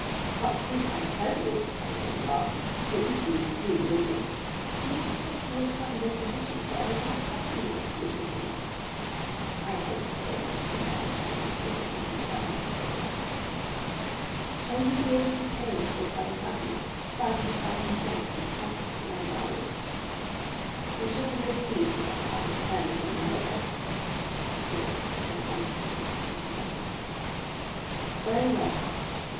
"But since I tell you," cried Danglars, "that with these three million——" "Do you expect to recover your position, sir, without touching those three million?" "I hope so, if the marriage should take place and confirm my credit." "Shall you be able to pay M. Cavalcanti the five hundred thousand francs you promise for my dowry?" "He shall receive them on returning from the mayor's20." "Very well!"